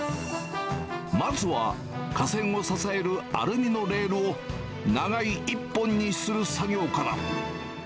まずは架線を支えるアルミのレールを、長い一本にする作業から。